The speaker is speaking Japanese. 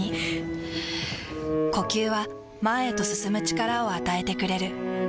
ふぅ呼吸は前へと進む力を与えてくれる。